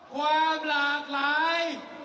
ความหลากหลาย